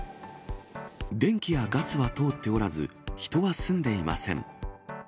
電気やガスは通っておらず、人は住んでいません。